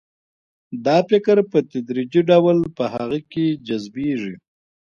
دا فکر په تدریجي ډول په هغه کې جذبیږي